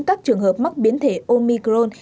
các trường hợp mắc biến thể omicron